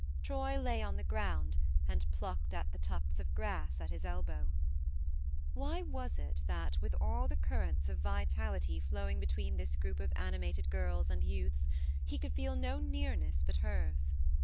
Troy lay on the ground and plucked at the tufts of grass at his elbow. Why was it that, with all the currents of vitality flowing between this group of animated girls and youths, he could feel no nearness but hers